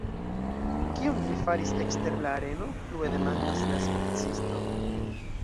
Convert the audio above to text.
Kion vi faris ekster la areno? plue demandas la spicisto.